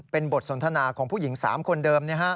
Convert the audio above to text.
เป็นบทสนทนาของผู้หญิง๓คนเดิม